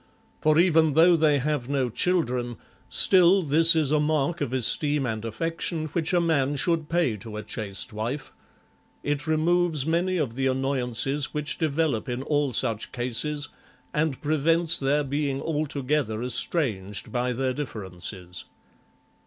For even though they have no children, still, this is a mark of esteem and affection which a man should pay to a chaste wife; it removes many of the annoyances which develop in all such cases, and prevents their being altogether estranged by their differences.